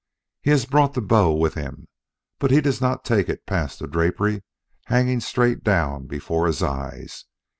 He has brought the bow with him, but he does not take it past the drapery hanging straight down before his eyes.